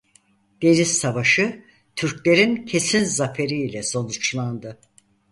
Deniz savaşı Türk'lerin kesin zaferi ile sonuçlandı.